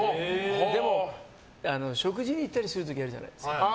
でも、食事に行ったりする時あるじゃないですか。